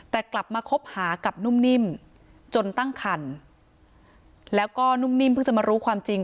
แต่กลับมาคบหากับนุ่มนิ่มจนตั้งคันแล้วก็นุ่มนิ่มเพิ่งจะมารู้ความจริง